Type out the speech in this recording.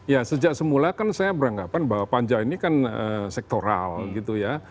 ya sejak semula kan saya beranggapan bahwa panja ini kan sektoral gitu ya